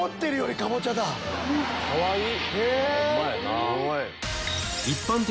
かわいい！